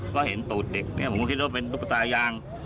ก็เห็นตูดเด็กเนี่ยผมก็คิดว่าเป็นตุ๊กตายาง